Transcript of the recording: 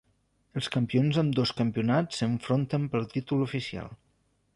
Els campions d'ambdós campionats s'enfronten pel títol oficial.